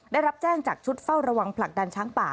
ได้รับแจ้งจากชุดเฝ้าระวังผลักดันช้างป่า